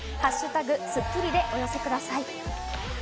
「＃スッキリ」でお寄せください。